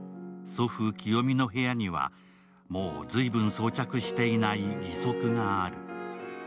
祖父・清美の部屋にはもう随分装着していない義足がある。